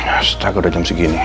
astaga udah jam segini